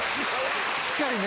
しっかりね